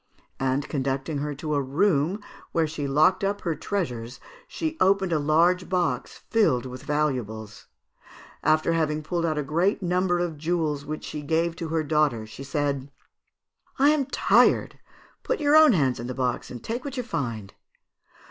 And conducting her to a room where she locked up her treasures, she opened a large box filled with valuables. After having pulled out a great number of jewels which she gave to her daughter, she said, 'I am tired; put your own hands in the box, and take what you find.'